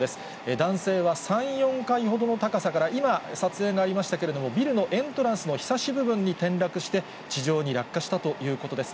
男性は３、４階ほどの高さから今、撮影がありましたけれども、ビルのエントランスのひさし部分に転落して、地上に落下したということです。